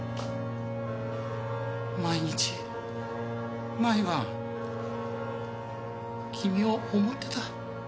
毎日毎晩君を思ってた。